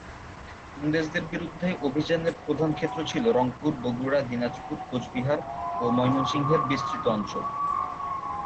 ইংরেজদের বিরুদ্ধে অভিযানের প্রধান ক্ষেত্র ছিলো রংপুর, বগুড়া, দিনাজপুর, কোচবিহার ও ময়মনসিংহের বিস্তৃতঅঞ্চল।